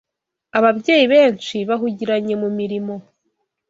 Ababyeyi benshi bahugiranye mu mirimo